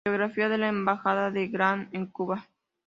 Biografía de la embajada de Ghana en Cuba